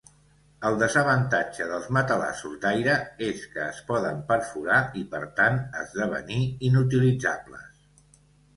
El desavantatge dels matalassos d'aire és que es poden perforar i, per tant, esdevenir inutilitzables.